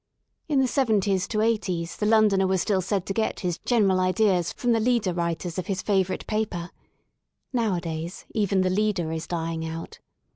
In the *7o*s *8o's the Londoner was still said to get his General Ideas from the leader writers of his favourite paper* Nowadays even the leader is dying out.